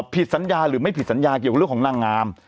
ผิดสัญญาหรือไม่ผิดสัญญาเกี่ยวกับเรื่องของนางงาม